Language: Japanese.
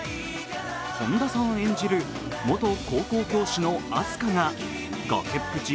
本田さん演じる、元高校教師のあす花が崖っぷち